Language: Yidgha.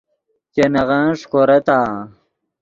چے نغن ݰیکورتآ؟